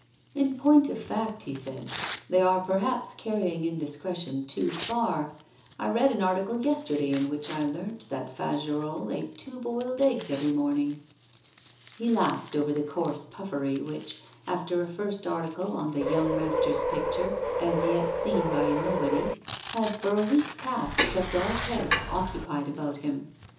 'In point of fact,' he said, 'they are perhaps carrying indiscretion too far. I read an article yesterday in which I learnt that Fagerolles ate two boiled eggs every morning.' He laughed over the coarse puffery which, after a first article on the 'young master's' picture, as yet seen by nobody, had for a week past kept all Paris occupied about him.